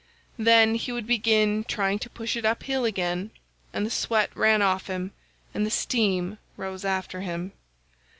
Then he would begin trying to push it up hill again, and the sweat ran off him and the steam rose after him.